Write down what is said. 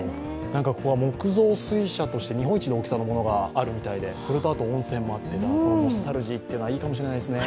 ここが木造水車としても日本一のものがあってそれとあと温泉もあって、ノスタルジーというのはいいかもしれませんね。